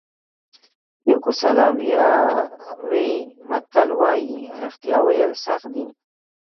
یوګوسلاویې متل وایي رښتیا ویل سخت دي.